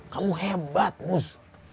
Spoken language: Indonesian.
kamu hebat mus